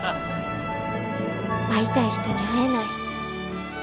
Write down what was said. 会いたい人に会えない。